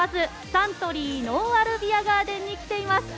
サントリーのんあるビアガーデンに来ています。